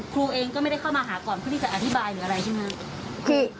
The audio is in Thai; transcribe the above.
ครูเองก็ไม่ได้เข้ามาหาก่อนเพื่อที่จะอธิบายหรืออะไรใช่ไหมครับ